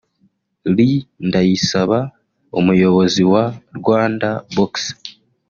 Lee Ndayisaba umuyobozi wa Rwandabox